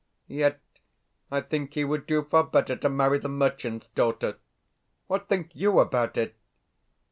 Yet I think he would do far better to marry the merchant's daughter. What think YOU about it?